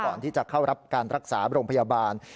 ก่อนที่จะเข้ารับการรักษาโรงพยาบาล